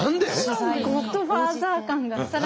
ゴッドファーザー感が。